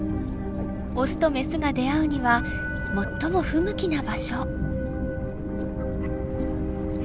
オスとメスが出会うには最も不向きな場所。